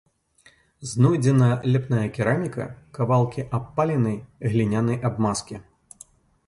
Знойдзена ляпная кераміка, кавалкі абпаленай глінянай абмазкі.